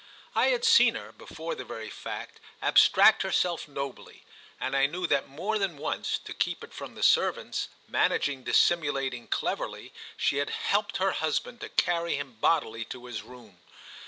I had seen her, before the very fact, abstract herself nobly; and I knew that more than once, to keep it from the servants, managing, dissimulating cleverly, she had helped her husband to carry him bodily to his room.